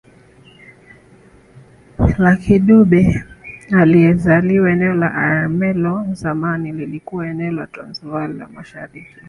Lucky Dube alizaliwa eneo la Ermelo zamani lilikuwa eneo la Transvaal ya Mashariki